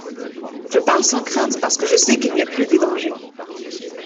J'en parle sans crainte, parce que je sais qu'il n'y a plus de danger.